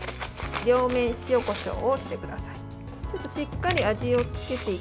両面、塩、こしょうをしてください。